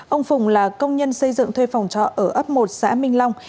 ông phùng là công nhân xây dựng thuê phòng trọ ở ấp một xã minh long